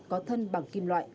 có thân bằng kim loại